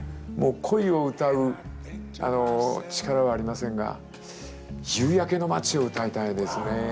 もう恋を歌うあの力はありませんが夕焼けの街を歌いたいですね。